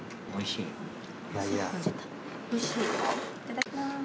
いただきます。